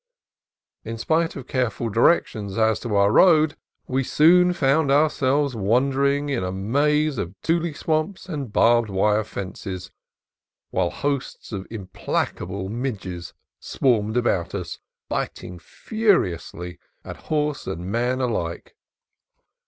In spite of careful directions as to our road we soon found ourselves wandering in a maze of tule swamps and barbed wire fences, while hosts of implacable midges swarmed about us, biting furiously at horse and man alike.